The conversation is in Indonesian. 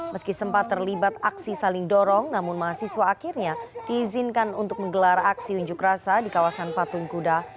meski sempat terlibat aksi saling dorong namun mahasiswa akhirnya diizinkan untuk menggelar aksi unjuk rasa di kawasan patung kuda